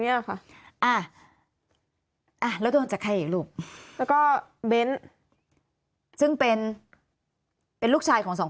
ค่ะอ่าแล้วโดนจากใครอีกลูกแล้วก็เบ้นซึ่งเป็นเป็นลูกชายของสองคน